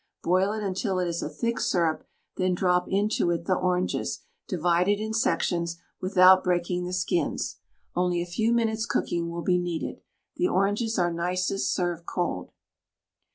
Boil it until it is a thick syrup, then drop into it the oranges, divided in sections, without breaking the skins. Only a few minutes cooking will be needed. The oranges are nicest served cold.